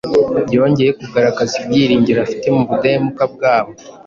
Yongeye kugaragaza ibyiringiro afite mu budahemuka bwabo,